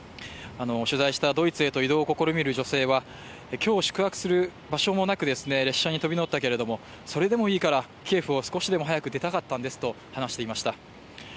取材したドイツへと移動を試みる女性は今日宿泊する場所もなく列車に飛び乗ったけれどもそれでもいいからキエフを少しでも早く出たかったんですと話しました。